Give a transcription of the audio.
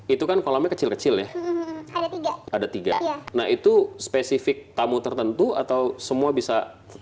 itu kan kolamnya kecil kecil ya ada tiga nah itu spesifik tamu tertentu atau semua bisa